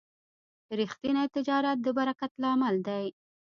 ریښتینی تجارت د برکت لامل دی.